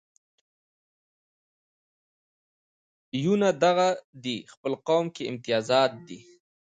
یونه دغه دې خپل قوم کې امتیازات دي.